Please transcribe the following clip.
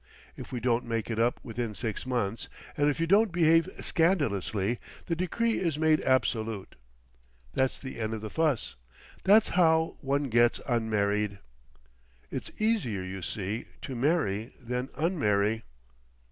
If we don't make it up within six months and if you don't behave scandalously the Decree is made absolute. That's the end of the fuss. That's how one gets unmarried. It's easier, you see, to marry than unmarry."